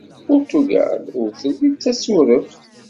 Puṛtugal ur telli d tasureft.